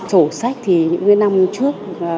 sổ sách thì những năm trước